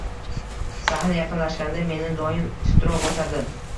Sahna yaqinlashganda meni doim titroq bosardi.